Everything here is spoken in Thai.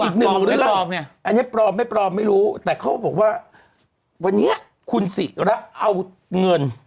อีกหนึ่งเรื่องอันนี้ปลอมไม่ปลอมไม่รู้แต่เขาบอกว่าวันนี้คุณศิระเอาเงิน